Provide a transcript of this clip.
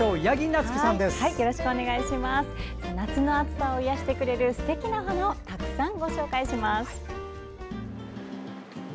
夏の暑さを癒やしてくれるすてきなお花をたくさんご紹介します。